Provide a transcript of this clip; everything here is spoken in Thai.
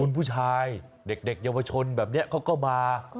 คุณผู้ชายเด็กเยาวชนแบบนี้เขาก็มา